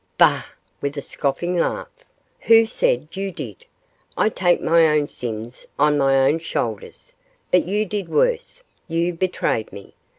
'Bah!' with a scoffing laugh, 'who said you did? I take my own sins on my own shoulders; but you did worse; you betrayed me.